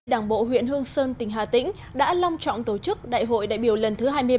đảng bộ huyện hương sơn tỉnh hà tĩnh đã long trọng tổ chức đại hội đại biểu lần thứ hai mươi ba